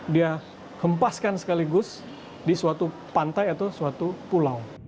dia hempaskan sekaligus di suatu pantai atau suatu pulau